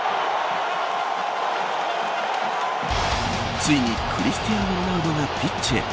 ついにクリスティアーノ・ロナウドがピッチへ。